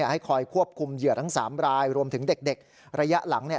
ให้คอยควบคุมเหยื่อทั้ง๓รายรวมถึงเด็กระยะหลัง